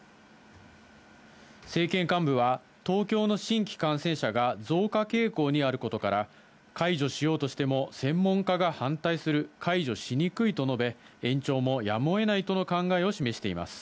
政権幹部は、東京の新規感染者が増加傾向にあることから、解除しようとしても専門家が反対する、解除しにくいと述べ、延長もやむをえないとの考えを示しています。